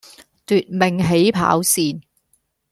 奪命起跑線